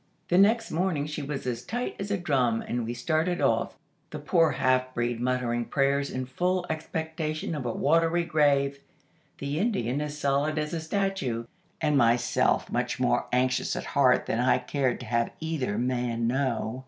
The next morning she was as tight as a drum, and we started off, the poor half breed muttering prayers in full expectation of a watery grave, the Indian as stolid as a statue, and myself much more anxious at heart than I cared to have either man know.